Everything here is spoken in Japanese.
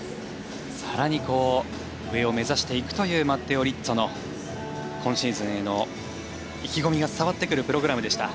更に上を目指していくというマッテオ・リッツォの今シーズンへの意気込みが伝わってくるプログラムでした。